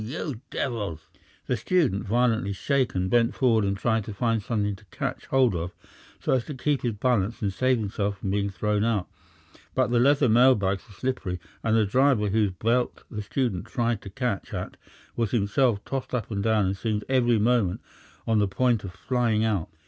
you devils!" The student, violently shaken, bent forward and tried to find something to catch hold of so as to keep his balance and save himself from being thrown out, but the leather mail bags were slippery, and the driver, whose belt the student tried to catch at, was himself tossed up and down and seemed every moment on the point of flying out.